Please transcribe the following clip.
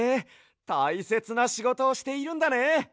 たいせつなしごとをしているんだね！